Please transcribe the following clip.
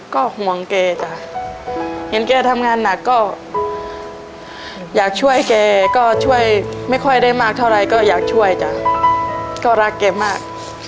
ก็ห่วงแกจ้ะเห็นแกทำงานหนักก็อยากช่วยแกก็ช่วยไม่ค่อยได้มากเท่าไรก็อยากช่วยจ้ะก็รักแกมาก